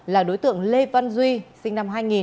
là đối tượng lê văn duy sinh năm hai nghìn